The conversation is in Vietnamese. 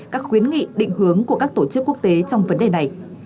các khuyến nghị định hướng của các tổ chức quốc tế trong vấn đề này